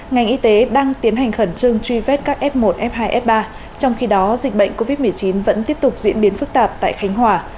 ngành y tế đang tiến hành khẩn trương truy vết các f một f hai f ba trong khi đó dịch bệnh covid một mươi chín vẫn tiếp tục diễn biến phức tạp tại khánh hòa